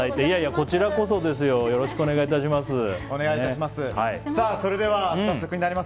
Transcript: こちらこそよろしくお願いいたします。